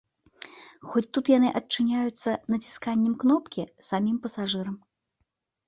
Хоць тут яны адчыняюцца націсканнем кнопкі самім пасажырам.